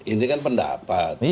ini kan pendapat